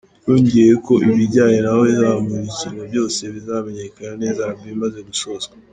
Yongeyeho ko ibijyanye naho izamurikirwa byose bizamenyekana neza Album imaze gusozwa.